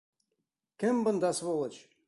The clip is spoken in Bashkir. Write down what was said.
Кем бында сволочь?